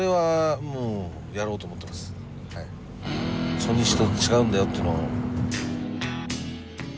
初日と違うんだよっていうのを。